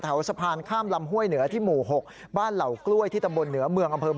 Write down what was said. แล้วเราต้องแจ้งเจ้าหน้าที่หรืออย่างไรนะ